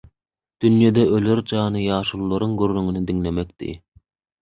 Dünýede öler jany ýaşulularyň gürrüňini diňlemekdi.